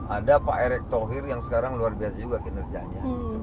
ada pak erick thohir yang sekarang luar biasa juga kinerjanya